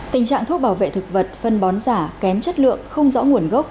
tình trạng thuốc bảo vệ thực vật phân bón giả kém chất lượng không rõ nguồn gốc